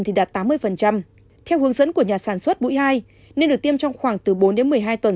thì đạt tám mươi theo hướng dẫn của nhà sản xuất mũi hai nên được tiêm trong khoảng từ bốn đến một mươi hai tuần